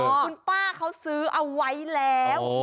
คุณป้าเขาซื้อเอาไว้แล้ว